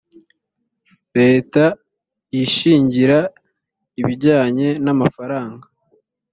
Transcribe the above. leta yishingira ibijyanye n’amafaranga